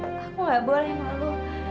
aku gak boleh ngeluh